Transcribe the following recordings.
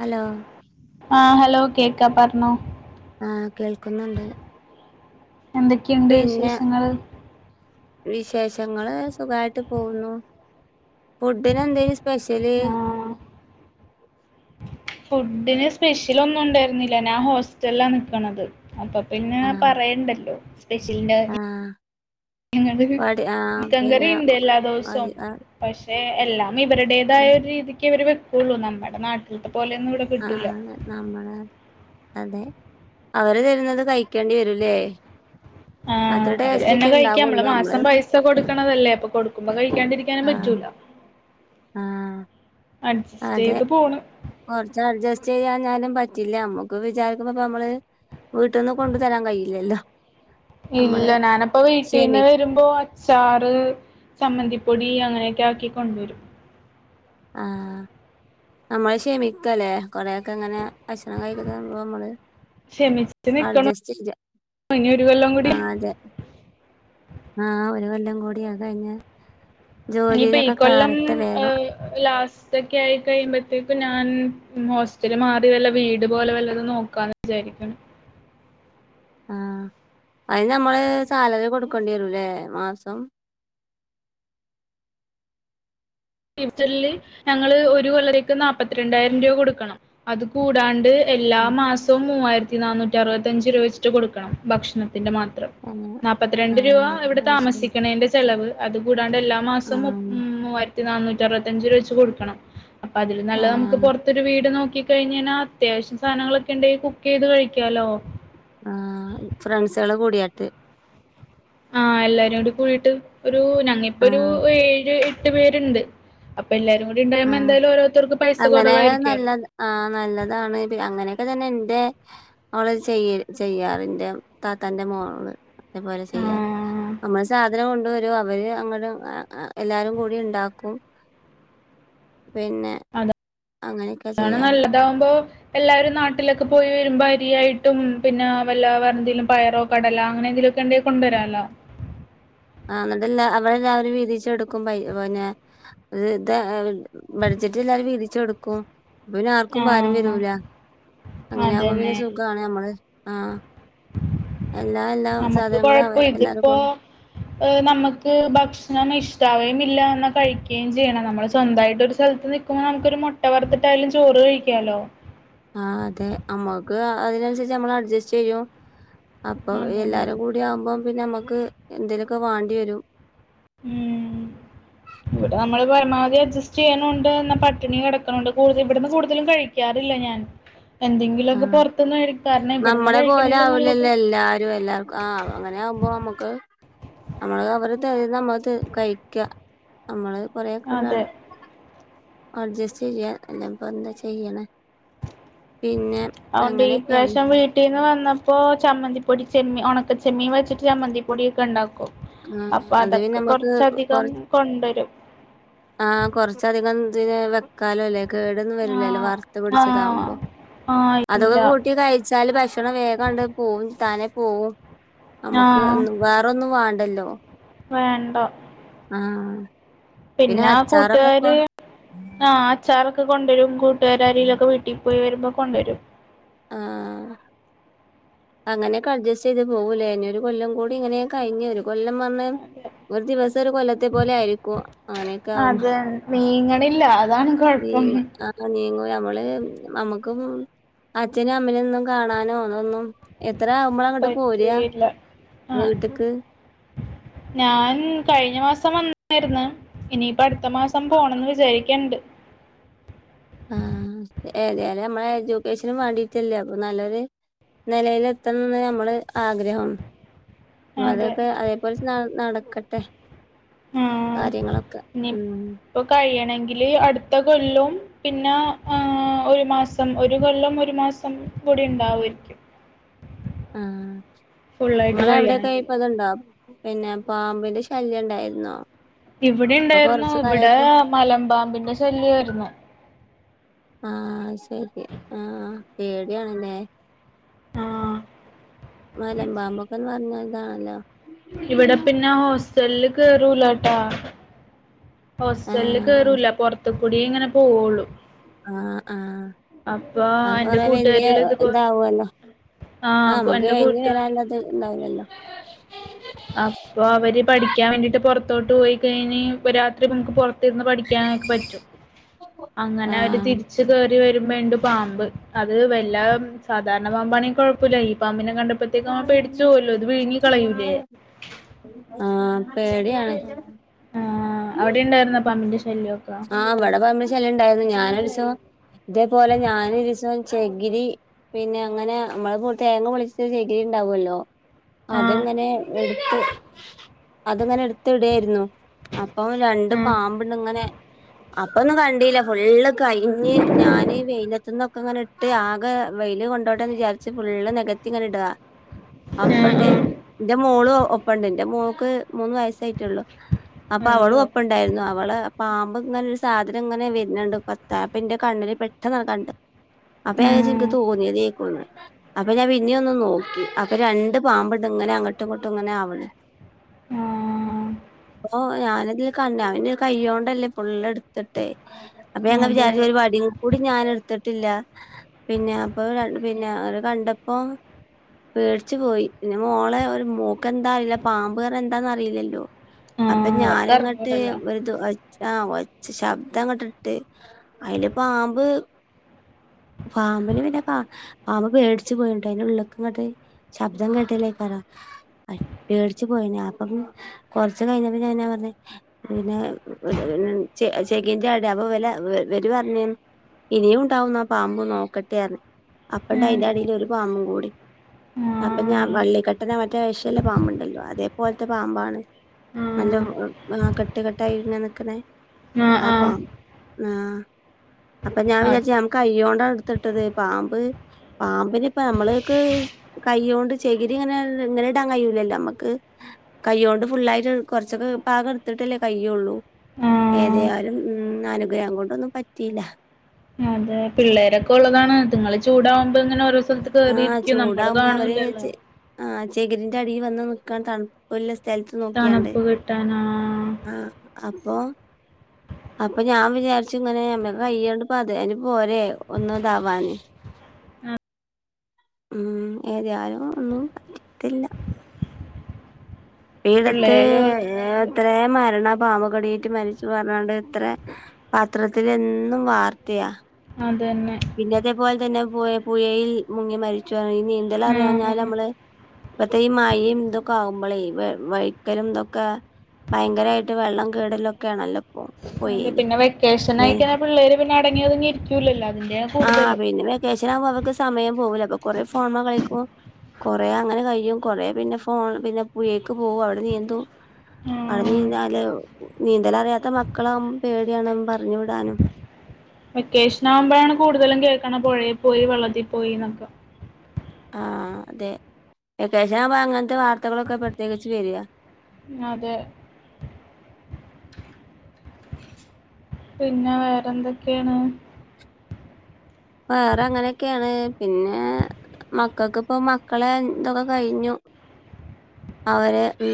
Hello ആഹ് hello കേക്കാ പറഞ്ഞോ ആഹ് കേൾക്കുന്നുണ്ട് എന്തൊക്കെയുണ്ട് പിന്നെ വിശേഷങ്ങള് വിശേഷങ്ങള് സുഖമായിട്ട് പോകുന്നു ഫുഡിന് എന്തേനു സ്പെഷ്യല് ആഹ് ഫുഡിന് സ്പെഷ്യൽ ഒന്നും ഉണ്ടായിരുന്നില്ല ഞാൻ ഹോസ്റ്റലിലാ നിൽക്കണത് അപ്പൊ പിന്നെ ആഹ് പറയണ്ടല്ലോ സ്പെഷ്യലിന്റെ ആഹ് ഞങ്ങക്ക് പടി ആഹ് ചിക്കൻ കറി പിന്നെ ഉണ്ട് എല്ലാ അത് ദിവസവും ആഹ് പക്ഷെ എല്ലാം ഇവരുടേതായ അത് ഒരു രീതിക്ക് ഇവർ വെക്കുള്ളൂ നമ്മുടെ നാട്ടിലത്തെ പോലെന്നും ഇവിടെ ആഹ് കിട്ടൂല അതെ നമ്മള് അതെ അവര് തരുന്നത് കഴിക്കേണ്ടി വരൂലേ ആഹ് അവര് തന്നെ കഴിക്കാം നമ്മള് മാസം പൈസ കൊടുക്കണതല്ലേ അപ്പൊ കൊടുക്കുമ്പോ കഴിക്കാണ്ടിരിക്ക നും ആഹ് പറ്റൂല്ലല്ലോ ആഹ് അഡ്ജസ്റ്റ് ചെയ്ത് പോണ് കോറച്ച് അഡ്ജസ്റ്റ് ചെയ്യാ ഞാനും പറ്റില്ല നമ്മക്ക് വിചാരിക്കുമ്പോപ്പ നമ്മള് വീട്ടന്ന് കൊണ്ടു തരാൻ കഴിയില്ലല്ലോ നമ്മള് ഇല്ല ഞാനിപ്പ വീട്ടീന്ന് ക്ഷമി വര് വരുമ്പോ അച്ചാറ് ചമ്മന്തിപ്പൊടി അങ്ങനെയൊക്കെ ആക്കി കൊണ്ടുവരും ആഹ് നമ്മള് ക്ഷമിക്കല്ലേ കൊറേയൊക്കെ ഇങ്ങനെ ഭക്ഷണം കഴിക്കുന്ന നമ്മള്- ക്ഷമിച്ച് നിക്കണം അഡ്ജസ്റ്റ് ചെയ്യ ഇനി ഒരു കൊല്ലം കൂടി- ആഹ് അതെ ആഹ് ഒരു കൊല്ലം കൂടി അത് കഴിഞ്ഞ- ഇനിപ്പ ഈ ജോലിയിലൊക്കെ കൊല്ലം കേറട്ടെ വേഗം എഹ്- ലാസ്റ്റ് ഒക്കെ ആയി കഴിയുമ്പോത്തേക്കും ഞാൻ ഹോസ്റ്റല് മാറി വല്ല വീട് പോലെ വല്ലത് നോക്കാന്ന് വിജാരിക്കണം. ആഹ് അതിന് നമ്മള് സാലറി കൊടുക്കേണ്ടി വരുല്ലേ മാസം? കിച്ചൺല് ഞങ്ങള് ഒരു കൊല്ലരേക്ക് നാല്പ്പത്തിരണ്ടായിരം രൂപ കൊടുക്കണം അത് കൂടാണ്ട്- എല്ലാ ആഹ് മാസവും മൂവായിരത്തി നാനൂറ്റി അറുപത്തഞ്ച് രൂപ വെച്ചിട്ട് കൊടുക്കണം ഭക്ഷണത്തിൻ്റെ മാത്രം. നാപ്പപത്തിരണ്ട് രൂപ ഇവിടെ അത് ശരി താമസിക്കുണേന്റെ- ചെലവ് അത് കൂടാണ്ട് എല്ലാ മാസവും മു ആഹ് മൂവായിരത്തി നന്നൂറ്റി അറുപത്തി അഞ്ച് രൂപ വെച്ച് കൊടുക്കണം. അപ്പൊ അതില് നല്ലത് നമുക്ക് ആഹ് പുറത്തൊരു വീട് നോക്കി- കഴിഞെനാ അത്യാവശ്യം സാധനങ്ങളൊക്കെ ഇണ്ടെങ്കി കുക്ക് ചെയ്ത് കഴിക്കാലോ? ആഹ് ഫ്രണ്ട്സുകള് കൂടിയായിട്ട്- ആഹ് എല്ലാരും കൂടി കൂടിയിട്ട് ഒരു ഞങ്ങിപ്പൊ ഒരു ആഹ് ഏഴ് എട്ട് പേരുണ്ട്- അപ്പൊ എല്ലാരും കൂടി ഇ ണ്ടായ്പോ ആഹ് എന്താലും ഓരോരുർക്ക് പൈസ അങ്ങനെയായ കുറവായിരിക്കുല്ലോ? നല്ല ആഹ് നല്ലതാണ് അങ്ങനെയൊക്കെ തന്നെ ഇന്റെ- അവള് ചെയ്യ ചെയ്യാറിന്റെ താത്താന്റെ മോള്- അതേപോലെ ചെയ്യാ ആഹ്. നമ്മള് സാധ തനം കൊണ്ട് വരും അവര് അങ്ങട് എല്ലാരും കൂടി ഇണ്ടാക്കും- പിന്നെ- അങ്ങനെയൊക്കെ- അതാണ് ചെയ്യാൻ നല്ലതാവുമ്പോ- എല്ലാരും നാട്ടിലൊക്കെ പോയി വരുമ്പോ അരിയായിട്ടും പിന്നെ വല്ലാ വേറെ എന്തെങ്കിലും പായറോ- കടല അങ്ങനെ എന്തങ്കിലൊക്കെ ഇണ്ടെങ്ക കൊണ്ട് വരാലോ? ആഹ് ഇന്നിട്ടല്ല അവടെ എല്ലാവരും വിതിച് എടുക്കും പ പിന്നെ- അത് ഇതാ ബഡ്ജറ്റ് എല്ലരും വീതിച്ച് എടുക്കും- അപ്പ പിന്നെ ആർക്കും ഭാരം ആഹ് വരൂല അങ്ങനെ ആകുമ്പോ പിന്നെ അതന്നെ സുഗാ ണ് നമ്മള് ആഹ്- എല്ലാ എല്ലാ സാധനങ്ങളും അവ എല്ലാരുംകോണ്ട്- എഹ് നമക്ക് ഭക്ഷണം ഇഷ്ടാവയും ഇല്ല എന്ന കഴിക്കുകയും ചെയ്യണം നമ്മള് സ്വന്തയിട്ട് ഒരു സ്ഥലത്ത്- ഇപ്പം നമുക്ക് ഒരു മുട്ട വർത്തിട്ടയാലും ചോറ് കഴിക്കാലോ? ആഹ് അതെ നമ്മക്ക് അതിനനുസരിച്ച് നമ്മൾ അഡ്ജസ്റ്റ് ചെയ്യും അപ്പൊ അതന്നെ. എല്ലാരും കൂട് ടി ആവുമ്പോം പിന്നെ നമക്ക് എന്തേലുക്കെ വേണ്ടി വരും. ഉം. നമ്മള് പരമാവധി അഡ്ജസ്റ്റ് ചെയ്ണൂണ്ട് എന്നാ പട്ടിണി കിടക്കണണ്ട് ക ഇവിടുന്ന് കൂടുതലും കഴിക്കാറില്ല ഞാൻ- എന്തെങ്കിലു ഒക്കെ ആ പുറത്തന്ന് ക കാരണം ഇവിടന്ന് നമ്മളെ പോലെ കഴിക്കണല്ലോ നല്ലത്- ആവില്ലല്ലോ എല്ലാരും എല്ലാം- ആഹ് അങ്ങനെ ആവുമ്പോ നമക്ക് നമ്മള് അവര് ത നമ്മള് കഴിക്ക- നമ്മള് കൊറെയൊക്കെ അതെ ഒരാള്- അഡ്ജസ്റ്റ് ചെയ്യ അല്ല ഇപ്പൊ എന്താ ചെയ്യ്ണെ? പിന്നെ അതുകൊണ്ട് ഈ അങ്ങനെയൊക്കെയാണ്- പ്രാവശ്യം വീട്ടീന്ന് വന്നപ്പോ ചമ്മന്തിപ്പൊടി ചെമ്മീ ഉണക്ക ചെമ്മീൻ വെച്ചിട്ട് ചമ്മന്തിപ്പൊടിയൊക്കെ ഇണ്ടാക്കും. ആഹ് അപ്പൊ അത് പിന്നെ അതൊക്കെ നമ്മക്ക് കൊറച്ചധികം കൊറ കൊണ്ടുവരും. ആഹ് കൊറച്ചധികം ഇതിന് വെക്കാലോ അല്ലെ? കേടൊന്നും വരിലല്ലോ ആഹ് വാർത്ത് ആഹ് പിടിച്ചതാവുമ്പോ ആഹ് അതൊക്കെ ഇല്ല കൂട്ടി കയ് വച്ചാല് ഭക്ഷണം വേഗണ്ട് പോവും താനെ പോവും നമുക്ക് ആഹ് ഒ വേറ ഒന്നും വേണ്ട ണ്ടല്ലോ വേണ്ട ആഹ് പിന്നെ ആഹ് അച്ചാറൊക്കെ ഇപ്പോ കൂട്ടുകാര് ആ അച്ചാറൊക്കെ കൊണ്ടുവരും കൂട്ടുകാരാരിലൊക്കെ വീട്ടില് പോയി വരുമ്പോൾ കൊണ്ടുവരും ആഹ് അങ്ങനെയൊക്കെ അഡ്ജെസ്റ്റ് ചെയ്ത് പോവൂലെനൊ ഒരു കൊല്ലം കൂടി ഇങ്ങനെ കഴിഞ്ഞ് വരും കൊല്ലം പറഞ്ഞ അതെ ഒരു ദിവസം ഒരു കൊല്ലത്തെ പോലെ ആയിരിക്കും അങ്ങനെയൊക്കെ ആകും അതെ മീങ്ങ ഇല്ല അതാണ് കൊഴപ്പം നീങ്ങുല നമ്മള് നമ്മുക്ക് അച്ഛനും അമ്മലൊന്നും കാണാനോ അതൊന്നും എത്ര ആവുമ്പോള അങ്ങോട്ട് പോരയാ പറ്റുകയില്ല വീട്ടക്ക് ഞാന് കഴിഞ്ഞ മാസം വന്നായിരുന്നു ഇനിയിപ്പ അടുത്ത മാസം പോണംന്ന് വിചാരിക്കണ്ട് ആഹ് ഏതാലേ നമ്മളെ എഡ്യൂക്കേഷനും വേണ്ടിട്ടല്ലേ അപ്പൊ നല്ലൊരു നെലെല്ൽത്തണംന്ന് നമ്മള് ആഗ്രഹം അപ്പ അതെ അതൊക്കെ അതേപോലെ നടക്കട്ടെ ആ കാര്യങ്ങളൊക്കെ ഇനി ഉ ഇപ്പൊ കഴിയണമെങ്കില് അടുത്ത കൊല്ലം പിന്നെ ഒരു മാസം ഒരു കൊല്ലം ഒരു മാസം കൂടി ഉണ്ടാവുരിക്കും ആഹ് നിങ്ങ എവിടെക്കെ കഴിയണമെങ്കിൽ ആയിപ്പ ഇതുണ്ടോ പിന്നെ പാമ്പിന്റെ ശല്യം ഉണ്ടായിരുന്നോ ഇവിടെ ഇപ്പൊ ഉണ്ടായിരുന്നു കൊറച്ചു ഇവിടെ കാലായിട്ട് മലമ്പാമ്പിന്റെ ശല്യമായിരുന്നു ആഹ് ശരി ആ പേടിയാണെല്ലെ ആ മലമ്പാമ്പൊക്കെന്ന് പറഞ്ഞ ഇതാണല്ലോ ഇവിടെ പിന്നെ ഹോസ്റ്റലില് കേറൂലാട്ടാ ഹോസ്റ്റലില് ആഹ് കേറൂല പൊറത്ത് കൂടി ഇങ്ങനെ പോവുള്ളു ആഹ് ആഹ് അപ്പൊ അത് എന്റെ കൊറെ വല്യ കൂട്ടുകാരികൾ ഇതുപോലെ ഇതാവുമല്ലോ ആഹ് നമ്മുക്ക് എന്റെ കഴിഞ്ഞ് കൂട്ടുകാര് വരാനുള്ളത് ഉണ്ടാവില്ലല്ലോ അപ്പൊ അവര് പഠിക്കാൻ വേണ്ടിട്ട് പുറത്തോട്ട് പോയി കഴിഞ് രാത്രി നമുക്ക് പുറത്തിരുന്ന് പഠിക്കാനൊക്കെ പറ്റും അങ്ങനെ അവര് ആഹ് തിരിച്ച് കറി വരുമ്പോണ്ട് പാമ്പ് അത് വല്ല സാധാരണ പാമ്പാണെങ്കും കുഴപ്പമില്ല ഈ പാമ്പിനെ കണ്ടപ്പോ പേടിച്ച് പോവല്ലോ അത് വിഴങ്ങികളയൂലേ ആഹ് പേടി ആഹ് ആഹ് അവിടെ ഉണ്ടായിരുന്ന പമ്പിന്റെ ശല്യം ആഹ് ഇവിടെ പാമ്പിന്റെ ശല്ണ്ടായിരുന്നു ഞാനൊരുസം ഇതേപോലെ ഞാന ഒരുരുസം ചെകിരി പിന്നെ അങ്ങനെ നമ്മള് തേങ്ങ പൊളിച്ച ചെകിരി ഉണ്ടാവുമല്ലോ ആഹ് അതെങ്ങനെ എടുത്ത് അതെങ്ങനെ എടുത്ത് ഇടെയായിന്നു അപ്പൊ രണ്ട് പാമ്പണ്ട് ഇങ്ങനെ ആ [unintelligible] അപ്പൊന്നും കണ്ടീല്ല ഫുള്ള് കഴിഞ്ഞ് ഞാൻ വെയിലത്ത നിന്നൊക്കെ ഇങ്ങനെ ഇട്ട് ആകെ വെയില് കൊണ്ട ന്ന് വിചാരിച്ച് ഫുള്ള് നികത്തി ഇങ്ങനെ ഇടതാ അപ്പണ്ട് ആഹ് ആഹ് എന്റെ മോള് ഒപ്പുണ്ട് എന്റെ മോക്ക് മൂന്ന് വയസ്സായിട്ടുള്ളു അപ്പൊ അവളും അയ്യോ ഒപ്പണ്ട് ഉണ്ടായിരുന്നു അവള് പാമ്പ് ഇങ്ങനെ ഒരു സാധനം ഇങ്ങനെ വരുന്നുണ്ട്. പത്താപ്പന്റെ കണ്ണില് പെട്ടെന്ന് കണ്ടു. അപ്പം ഞൻവിചരച്ചു എനിക്ക് ആഹ് തെനിയത് യ്ക്കുന്ന്. അപ്പൊ ഞാൻ പിന്നെ ഒന്ന് നോക്കി അപ്പൊ രണ്ട് പാമ്പണ്ട് ഇങ്ങനെ അങ്ങോട്ടും ഇങ്ങോട്ടും ഇങ്ങനെ ആവണ്. ആഹ് ഓ ഞാന് അതില് കണ്ട് അവന്റെ കയ്യോട്. ല്ലേ പുള്ള് എടുത്തിട്ട് അപ്പൊ ഞെൻ അതെ വിചാരിച്ച് ഒരു വടി കൂടി ഞൻ എടുത്തിട്ടില്ല പിന്നെ അപ്പൊ പിന്നെ അവര് കണ്ടപ്പം. പേടിച്ചു പോയി മോളെ ഒരു മോക്ക് എന്താ അറിയില്ല പാമ്പ് പറഞ്ഞ എന്താന്ന് അറിയില്ലല്ലോ? ആ അപ്പൊ ഞാന് ങ്ങട്ട് ഒരു ആഹ് വച്ച് ശബ്ദം അങ്ങട്ടിട്ട് അതില പാമ്പ്. പാമ്പിന് പിന്നെ പാമ്പ് പേടിച്ചു പോയിണ്ട് അതിന്റെ ഉള്ളക്ങ്ങട്ട്. ശബ്ദം കട്ടല്ലേ കരൃം പേടിച്ചു പോയനെ അപ്പം കൊറച്ച് കഴിഞ്ഞ പി ഞ പറഞ്ഞ പിന്നെ ച ചെകിന്റെ അട അപ്പൊ വില വരു പറഞ്ഞ് ഇനിയും ഉണ്ടാവുന്ന ആ പാമ്പും നോക്കട്ടെന്ന് അപ്പണ്ട് ആഹ് അയിന്റെ അടിൽ ഒരു പാമ്പും കൂടി. അപ്പൊ ഞാൻ ആഹ് വള്ളിക്കെട്ടന മറ്റേ ഴശല്ല പാമ്പു ഉണ്ടല്ലോ അതേപോലത്തെ പാമ്പാണ് നല്ല് ആഹ് കട്ട് കെട്ടായി ങ്ങനെ നി ക്കണേ ആഹ് ആ ആഹ് പാമ്പ് അപ്പ ഞാൻ അത് വിചാച് കയോണ്ട എടുത്തിട്ടത് പാമ്പ് പാമ്പിന ഇപ്പ നമ്മൾക്ക് കയ്യോണ്ട് ചേകിരി ഇങ്ങനെ ഇങ്ങനെ ഇടാൻ കഴൂലല്ലോ നമ്മുക്ക്. കൈ്യ കൊണ്ട് ഫുള്ളായിട്ട് കുറച്ചൊക്കെ പാകം എടുത്തിട്ടല്ലേ കയ്യള്ളൂ. ആഹ് ഏതായാലും ഉ അനുഗ്രഹം കൊണ്ടൊന്നും പറ്റിയില്ല. അതെ പിള്ളേരൊക്കെ ഉള്ളതാണ്. ആറ്റിങ്ങള് ചൂടാവുമ്പോ ഇങ്ങനെ ഓരോ സ്ഥല- ആഹ് കേറിരികും നമ്മള് ചൂടാവുമ്പോ അവര് കാണൂലല്ലോ. ചെ ആഹ് ചേകരിന്റെ അടിയിൽ വന്ന് നക്കാ തണ ഒല്ല് ഉളളസ്ഥലത്ത് നോക്കിയാണ്ട്. തണുപ്പ് കിട്ടാനാ ആഹ് അപ്പൊ അപ്പൊ ഞാൻ വിചാരിച്ച് ഇങ്ങനെ കയ്യണ്ട് അത് അന് പോരെ ഒന്നും ഇതാവാന്. ഉ ഏതാലും ഒന്നും പറ്റിത്തില്ല. ഇടത്ത് പിള്ളേര് ഉള്ളതുകൊണ്ട് എത്രേ മരണ പാമ്പ് കടയിട്ട് മരിച്ചു പറഞ്ഞാണ്ട്. അത്ര പത്രത്തിലെന്നും വാർത്തയാ അതന്നെ പിന്നെ അതേപോലെ തന്നെ പു പുഴയിൽ മുങ്ങി മരിച്ചു ഈ നീന്തൽ അറിയാഞ്ഞാൽ ആഹ് ഞമ്മള്. ഇപ്പത്തെഈ മഴയും ഇന്തൊക്കെ ആവുമ്പോളേ വഴിക്കലും ന്തൊക്കെ ഭയങ്കരമായിട്ട് വെള്ളം കേടലൊക്കെ ആണല്ലോ? അതെ പിന്നെ വെക്കേഷൻ യിയിക്ക പിള്ളേര് പിന്നെ അടങ്ങി യോതുങ്ങി ഇരിക്കൂലല്ലോ അതിന്റെ ആഹ് പിന്നെ വെക്കേഷൻ ആകുമ്പോ അവർക്ക് സമയം പോവില്ല അപ്പൊ കൊറെ ഫോണ് മ്മേ കളിക്കും. കൊറെ അങ്ങനെ കഴിയും കൊറ പിന്നെ ഫോൺ പിന്നെ പുഴേക്ക് പോവും അവിടെ നീന്തും. ആഹ് നീന്തല് നീന്തലറിയാത്ത മക്കള വുമ്പോ പേടിയാണ് പറഞ്ഞു വിടാനും. വെക്കേഷൻ ആകുമ്പോഴാണ് കൂടുതലും കേൾക്കണ് പുഴയിൽ പോയി വെള്ളത്തിൽ പോയി എന്നൊക്കെ ആ അതെ വെക്കേഷൻ ആകുമ്പോ അങ്ങനത്തെ വാർത്തകളൊക്കെ പ്രത്യേകിച്ച് വരിക. അതെ പിന്നെ വേറെന്തൊക്കെയാണ്. വേറെ അങ്ങനെയൊക്കെയാണ്. പിന്നെ മക്കക്ക്പ്പം മക്കളെ ഇതൊക്കെ കഴിഞ്ഞു അവര് ഉം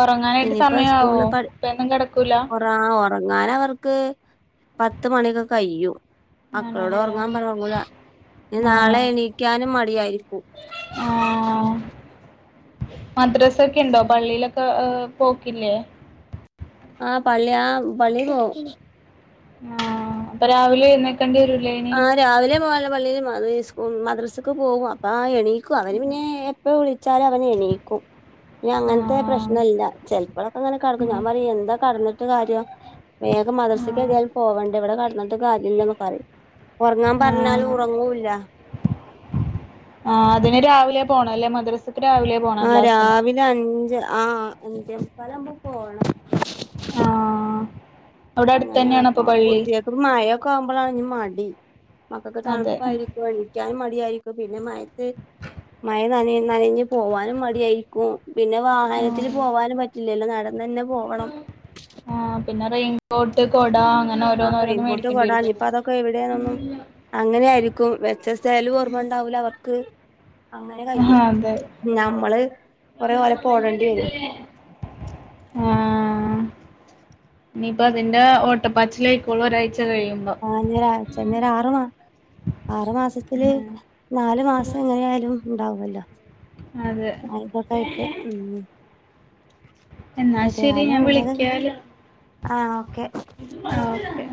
ഒറങ്ങാനായിട്ട് സമയ ആവോ ഇപ്പഴൊന്നും കടക്കൂല ആഹ് ഒറങ്ങാനവർക്ക് പത്ത് മണി ഒക്കെ കഴിയും മക്കളോട് ആണല്ലേ ഒറങ്ങാൻ പറഞ്ഞ ഒറങ്ങൂല ഇഞ്ഞ് ആ നാളെ എണീക്കാനും മടിയായിരിക്കും ഇമ്മച്ചി ആഹ് മദ്രാസൊക്കെ ഇണ്ടോ പള്ളിയിലൊക്കെ ഏഹ് പോക്കില്ലേ ആഹ് പള്ളി ആഹ് പള്ളി പോവും ആഹ് അപ്പൊ രാവിലെ എഴുന്നേക്കെണ്ടി വരൂലേ ഇനി ആ രാവിലെ പോല പള്ളിയില് മദ് ഇസ്കൂ മദ്രസക്ക് പോകും അപ്പ ആഹ് എണീക്കും അവര് പിന്നെ ഇപ്പ വിളിച്ചാല് അവൻ എണീക്കും ഇനി ആ അങ്ങനത്തെ പ്രശ്നം ഇല്ല ചെലപ്പളൊക്കെ അങ്ങനെ കടക്കും ഉം ഞാൻ പറയും എന്താ കടന്നിട്ട് കാര്യം വേഗം ആ മദ്രസ്ക്കേതായാലും പോവണ്ടേ ഇവിടെ കടന്ന്ട്ട് കാര്യല്ലന്ന് പറയും ഒറങ്ങാൻ പറഞ്ഞാലു ഉറങ്ങൂല്ല. ആഹ് അതിന് രാവിലെ പോണം അല്ലെ മദ്രസക്ക് രാവിലെ പോണം ആഹ് ക്ലാസ്സിന് രാവിലെ അഞ്ച് ആഹ് അഞ്ചേമുക്കാലാവുമ്പം പോണം. ആഹ് അവിടെ അടുത്തന്നെയാണൊ ഇപ്പൊ പള്ളി ഇപ്പപ്പൊ മഴൊക്കെ ആവുമ്പളാണ് ഇനി മടി മക്കക്ക് അതെ തണുപ്പായിരിക്കു [unintelligible] ക്ക്യാനും മടിയായിരിക്കും പിന്നെ മയത്ത് മഴ നനയ് നനഞ്ഞ് പോവാനും മടിയായി ക്കും പിന്നെ വാഹനത്തില് ആ പോവാനും പറ്റില്ലല്ലോ നടന്നന്നെ പോവണം. ആഹ് പിന്നെ റെയിൻകോട്ട് കൊട അങ്ങ ആഹ് റെയിൻ കോട്ട് കൊട ഇഞ്ഞ്പ്പോ അതൊക്കെ എവിടെന്നൊന്നും അങ്ങനെ ആയിരിക്കും വെച്ച സ്ഥലും ഓർമ്മ ഉണ്ടാവൂല അവർക്ക് അങ്ങനെ അഹ് കഴിയും അതെ നമ്മള് കൊറേ ഓലപ്പം ഓടേണ്ടി വരും [inaudible] ആഹ് ഇനിയിപ്പ അതിന്റെ ഓട്ടപ്പാച്ചിലെയ്ക്കോള്ളു ഒരാഴ്ച കഴിയുമ്പം. ആഹ് ഇഞ്ഞൊരാഴ്ച്ച ഇഞ്ഞൊരു ആറുമാ ആറുമാസത്തില് ആഹ് നാല് മാസം എങ്ങനെ ആയാലും ഉണ്ടാവൊല്ലോ അതെ ആ ഇതൊക്കെ ആയിട്ട് ഉം എന്നാ ശരി ഏതയാലും ഞാൻ അങ്ങനെ തന്നെ വിളിക്കാല് ആഹ് ഓക്കെ ആഹ് ഓക്കെ